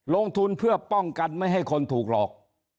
ลงทุนเพื่อป้องกันไม่ให้คนถูกหลอก